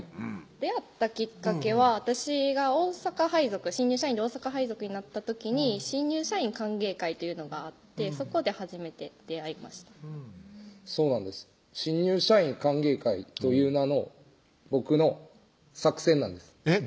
出会ったきっかけは私が大阪配属新入社員で大阪配属になった時に新入社員歓迎会というのがあってそこで初めて出会いましたそうなんです新入社員歓迎会という名の僕の作戦なんですえっ